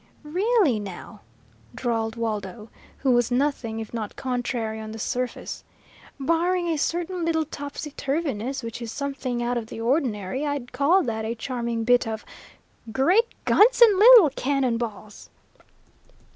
"Really, now?" drawled Waldo, who was nothing if not contrary on the surface. "Barring a certain little topsy turvyness which is something out of the ordinary, I'd call that a charming bit of Great guns and little cannon balls!"